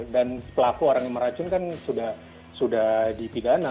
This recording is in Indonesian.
dan pelaku orang yang meracun kan sudah dipidana